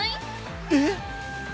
えっ？